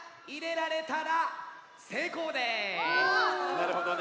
なるほどね。